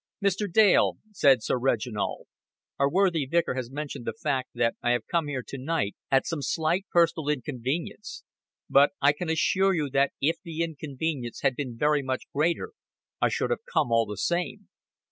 "Mr. Dale," said Sir Reginald, "our worthy vicar has mentioned the fact that I have come here to night at some slight personal inconvenience; but I can assure you that if the inconvenience had been very much greater I should have come all the same."